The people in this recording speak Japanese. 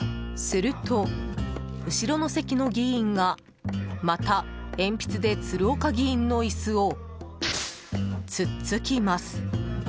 すると、後ろの席の議員がまた、鉛筆で鶴岡議員の椅子を突っつきます。